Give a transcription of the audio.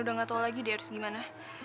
udah gak tau lagi dia harus gimana